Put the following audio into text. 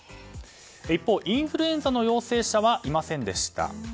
一方、インフルエンザの陽性者はいませんでした。